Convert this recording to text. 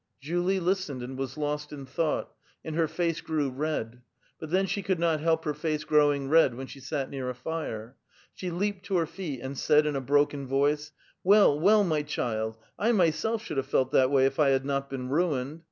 41 Julie listeiied and was lost in thought, and her face grew red ; but tlien she could not iielp lier face growing red when she Silt neiir a lire. She leaped to her feet, and said in a broken voice :—'' Well, well, my child, 1 myself should have felt that way? if I had not been ruined.